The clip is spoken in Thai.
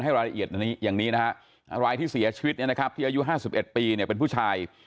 ให้รายละเอียดอย่างนี้นะครับรายที่เสียชีวิตที่อายุ๕๑ปีเป็นผู้ชาย